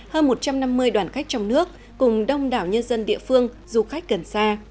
hơn một trăm năm mươi đoàn khách trong nước cùng đông đảo nhân dân địa phương du khách gần xa